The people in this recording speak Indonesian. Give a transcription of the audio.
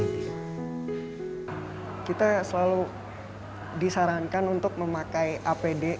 kita selalu disarankan untuk memakai apd